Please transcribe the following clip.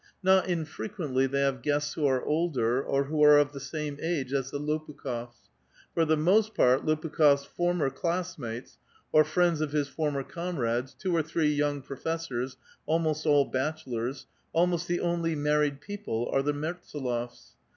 Not infrequently they have guests who are older, or who are of the same age as the Lopukh6fs ; for the most part, Lopuk li6f's former classmatjs, or friends of his former comrades, two or three young professors, almost all bachelors ; almost the only married people are the Mertsdlofs.